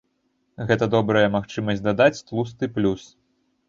Гэта добрая магчымасць дадаць тлусты плюс.